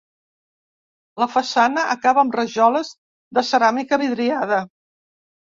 La façana acaba amb rajoles de ceràmica vidriada.